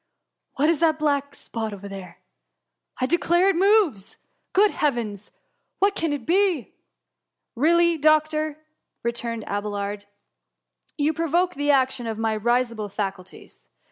^ What is that black spot tliere ? I declare it moves ! Good heavens ! what can it be ?"Really, doctor !^ returned Abelard, *' you THE HUM MY. 47 proToke the action of my risible faculties.